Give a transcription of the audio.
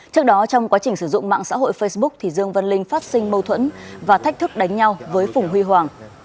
trước đó trong quá trình sử dụng mạng xã hội facebook dương vân linh phát sinh mâu thuẫn và thách thức đánh nhau với phùng huy hoàng